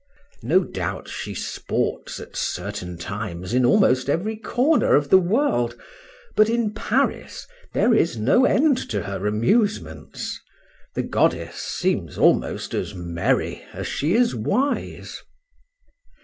—No doubt she sports at certain times in almost every corner of the world; but in Paris there is no end to her amusements.—The goddess seems almost as merry as she is wise.